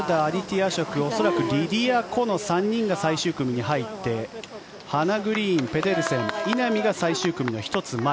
・アショク恐らくリディア・コの３人が最終組に入ってハナ・グリーン、ペデルセン稲見が最終組の１つ前。